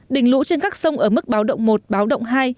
đỉnh lũ trên các sông ở mức báo động một báo động hai